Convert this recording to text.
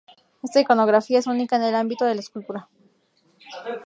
Esta iconografía es única en el ámbito de la escultura.